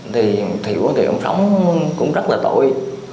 thì thiệu thì ông sống cũng rất là tội